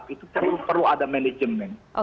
itu perlu ada manajemen